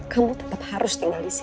kamu tetap harus tinggal disini